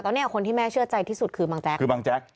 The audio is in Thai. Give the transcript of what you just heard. ตอนนี้คนที่แม่เชื่อใจที่สุดคือบางแจ๊กคือบางแจ๊ก